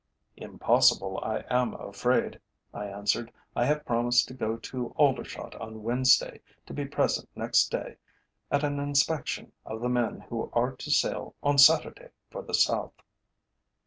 "Impossible, I am afraid," I answered. "I have promised to go to Aldershot on Wednesday, to be present next day at an inspection of the men who are to sail on Saturday for the South."